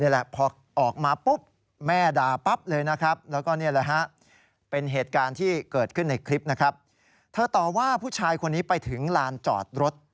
แหละพอออกมาปุ๊บแม่ด่าปั๊บเลยนะครับแล้วก็นี่แหละฮะเป็นเหตุการณ์ที่เกิดขึ้นในคลิปนะครับเธอต่อว่าผู้ชายคนนี้ไปถึงลานจอดรถ